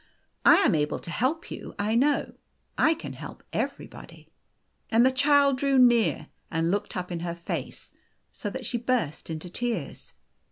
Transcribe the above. I am able to help you, I know. I can help everybody." And the Child drew near and looked up in her face so that she burst into tears.